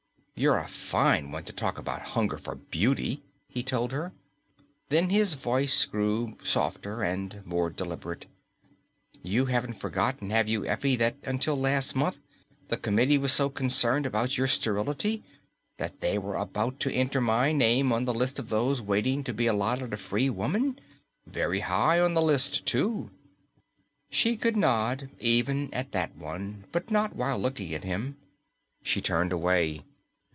"You're a fine one to talk about hunger for beauty," he told her. Then his voice grew softer, more deliberate. "You haven't forgotten, have you, Effie, that until last month the Committee was so concerned about your sterility? That they were about to enter my name on the list of those waiting to be allotted a free woman? Very high on the list, too!" She could nod even at that one, but not while looking at him. She turned away.